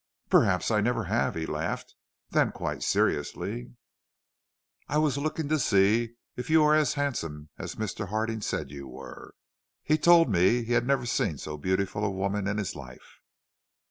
"'Perhaps I never have,' he laughed. Then quite seriously: 'I was looking to see if you were as handsome as Mr. Harding said you were. He told me he had never seen so beautiful a woman in his life.'